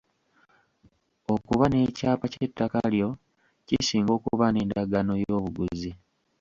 Okuba n'ekyapa ky'ettaka lyo kisinga okuba n'endagaano y'obuguzi.